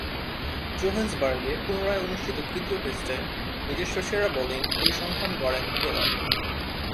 জোহেন্সবার্গে পুনরায় অনুষ্ঠিত তৃতীয় টেস্টে নিজস্ব সেরা বোলিং পরিসংখ্যান গড়েন টেলর।